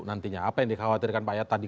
pasti mencari wilayah yang akan strategis